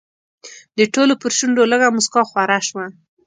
د ټولو پر شونډو لږه موسکا خوره شوه.